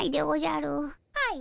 はい。